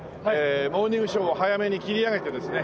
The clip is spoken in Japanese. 『モーニングショー』を早めに切り上げてですね